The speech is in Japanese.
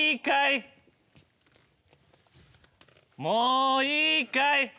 もういいかい？